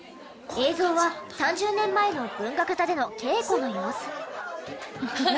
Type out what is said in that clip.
映像は３０年前の文学座での稽古の様子。